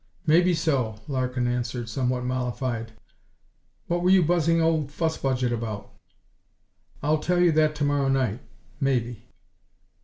"Maybe so," Larkin answered, somewhat mollified. "What were you buzzing old Fuss Budget about?" "I'll tell you that to morrow night maybe."